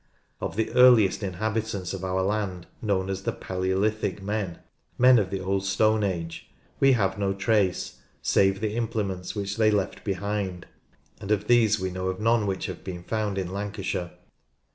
Of the earliest inhabitants of our land known as the "Palaeolithic" men — men of the Old Stone Age — we have no trace save the implements which they left behind, and of these we know of none which have been found in Lancashire.